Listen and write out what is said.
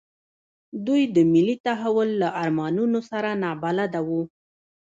دوی د ملي تحول له ارمانونو سره نابلده وو.